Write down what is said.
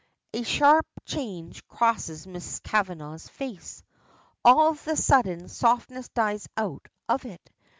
A sharp change crosses Miss Kavanagh's face. All the sudden softness dies out of it.